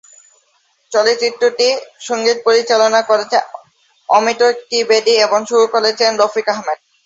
চলচ্চিত্রটির সঙ্গীত পরিচালনা করেছেন অমিত ত্রিবেদী এবং সুর করেছেন রফিক আহমেদ।